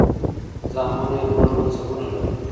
زامن یې لوړ منصبونه لري.